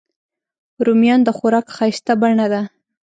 رومیان د خوراک ښایسته بڼه ده